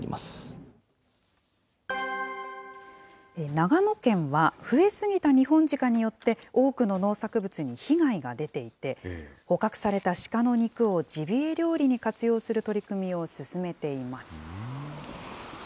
長野県は、増え過ぎたニホンジカによって、多くの農作物に被害が出ていて、捕獲されたシカの肉をジビエ料理に活用する取り組みを進めています。